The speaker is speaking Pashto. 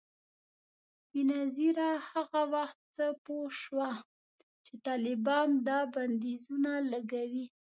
بېنظیره هغه وخت څه پوه شوه چي طالبان دا بندیزونه لګوي؟